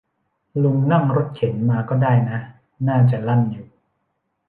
ลุงนั่งรถเข็นมาก็ได้นะ น่าจะลั่นอยู่